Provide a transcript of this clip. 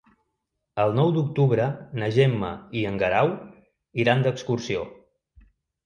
El nou d'octubre na Gemma i en Guerau iran d'excursió.